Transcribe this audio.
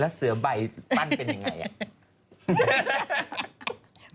แล้วเสือใบปั้นเป็นอย่างไร